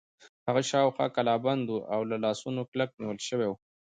هغه شاوخوا کلابند و او له لاسونو کلک نیول شوی و.